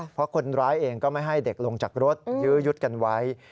เพราะคนร้ายเองก็ไม่ให้เด็กลงจากรถยื้อยุดกันไว้